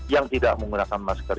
yang tidak menggunakan masker